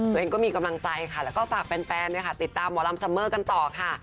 ตัวเองก็มีกำลังใจค่ะแล้วก็ฝากแฟนติดตามหมอลำซัมเมอร์กันต่อค่ะ